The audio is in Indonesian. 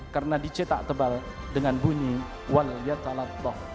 karena dicetak tebal dengan bunyi wal yatalatoh